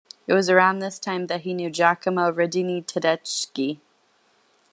It was around this time that he knew Giacomo Radini-Tedeschi.